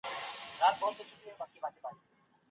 تاسي په اخیرت کي د الله له بښنې مننه لرئ.